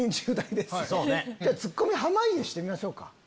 ツッコミ濱家してみましょうか。